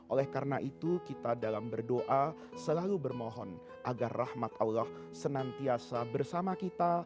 oleh karena itu kita dalam berdoa selalu bermohon agar rahmat allah senantiasa bersama kita